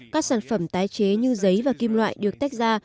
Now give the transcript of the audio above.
các sản phẩm tái chế như giấy và kim loại được tách ra